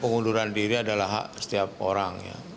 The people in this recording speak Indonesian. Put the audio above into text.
pengunduran diri adalah hak setiap orang